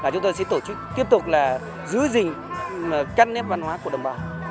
chúng tôi sẽ tổ chức tiếp tục là giữ gìn các nếp văn hóa của đồng bào